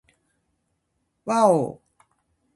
わぁお